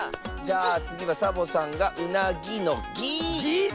じゃあつぎはサボさんが「うなぎ」の「ぎ」。